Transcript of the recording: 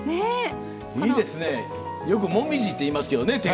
よくもみじっていいますけどね